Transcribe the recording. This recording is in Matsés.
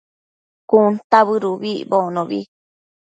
cuntabëd ubi icbocno